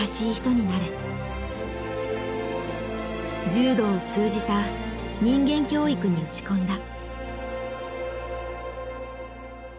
柔道を通じた人間教育に打ち込んだ。